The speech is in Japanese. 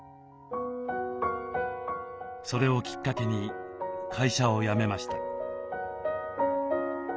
それをきっかけに会社を辞めました。